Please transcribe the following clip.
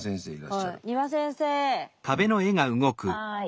・はい。